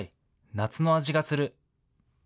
夏の味がする。